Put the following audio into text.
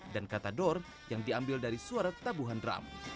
dan kata dor yang diambil dari suara tabuhan drum